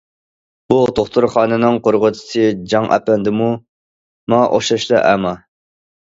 بۇ دوختۇرخانىنىڭ قۇرغۇچىسى جاڭ ئەپەندىمۇ ماڭا ئوخشاشلا ئەما.